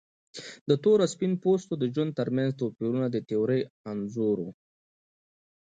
د تور او سپین پوستو د ژوند ترمنځ توپیرونه د تیورۍ انځور و.